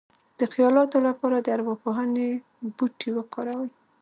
د خیالاتو لپاره د ارواپوهنې بوټي وکاروئ